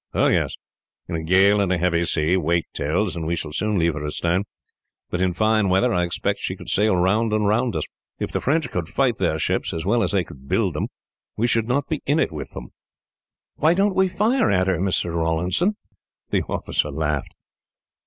"Oh, yes. In a gale and a heavy sea, weight tells, and we shall soon leave her astern; but in fine weather, I expect she could sail round and round us. If the French could fight their ships as well as they can build them, we should not be in it with them." "Why don't we fire at her, Mr. Rawlinson?" The officer laughed.